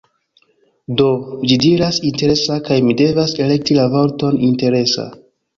Do, ĝi diras "interesa" kaj mi devas elekti la vorton "interesa"